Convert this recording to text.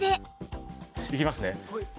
いきますね。